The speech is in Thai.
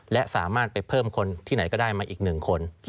และสามารถไปเพิ่มคนที่ไหนก็ได้มาอีก๑คน